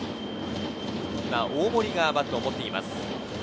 大盛がバットを持っています。